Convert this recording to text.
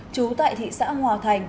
chú tại thị xã hòa thành